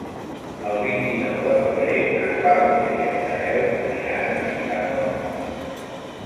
El vint-i-nou de febrer na Clàudia i en Gaël aniran a visitar mon oncle.